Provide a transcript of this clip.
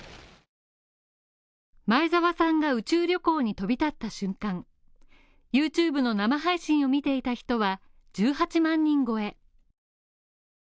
前澤さんが宇宙旅行に飛び立った瞬間、ＹｏｕＴｕｂｅの生配信を見ていた人は１８万人超え。